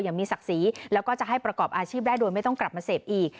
อย่างมีศักดิ์ศรีแล้วก็จะให้ประกอบอาชีพได้โดยไม่ต้องกลับมาเสพอีก